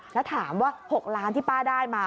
แล้วถามว่า๖ล้านที่ป้าได้มา